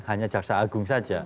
hanya jaksa agung saja